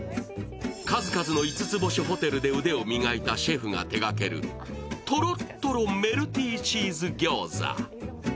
数々の五つ星ホテルで腕を磨いたシェフが手がけるとろとろメルティーチーズ餃子。